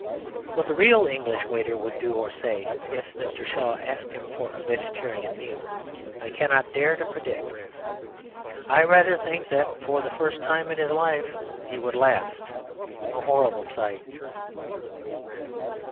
What the real English waiter would do or say if Mr. Shaw asked him for a vegetarian meal I cannot dare to predict. I rather think that for the first time in his life he would laugh a horrible sight.